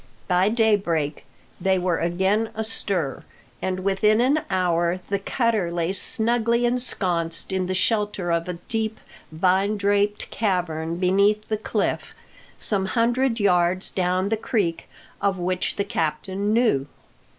By daybreak they were again astir, and within an hour the cutter lay snugly ensconced in the shelter of a deep, vine draped cavern beneath the cliff, some hundred yards down the creek, of which the captain knew.